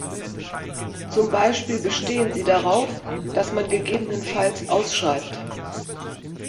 Zum Beispiel bestehen sie darauf, dass man gegebenenfalls ausschreibt.